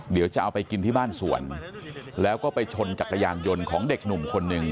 เดี๋ยวจะเอาไปกินที่บ้านสวนแล้วก็ไปชนจักรยานยนต์ของเด็กหนุ่มคนหนึ่ง